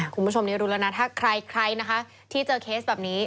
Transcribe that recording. คุณผู้ชมนี้รู้แล้วนะถ้าใครนะคะที่เจอเคสแบบนี้